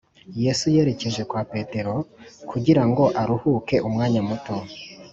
yesu yerekeje kwa petero kugira ngo aruhuke umwanya muto